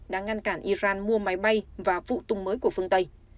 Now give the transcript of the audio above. đã ngăn cản iran mua máy bay và vụ tung mới của phương tây